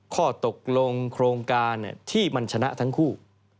ข้อตกลงโครงการที่มันชนะทั้งคู่